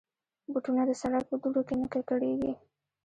بوټونه د سړک په دوړو کې نه ککړېږي.